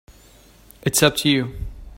It's up to you.